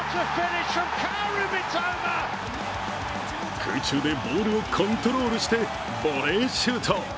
空中でボールをコントロールしてボレーシュート。